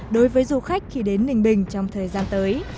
đối với du khách khi đến ninh bình trong thời gian tới